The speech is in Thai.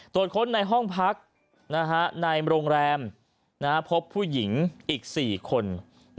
ตรวจค้นในห้องพักในโรงแรมพบผู้หญิงอีก๔คน